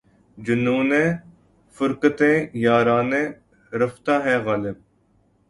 جنونِ فرقتِ یارانِ رفتہ ہے غالب!